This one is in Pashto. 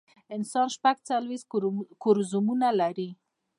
انسان شپږ څلوېښت کروموزومونه لري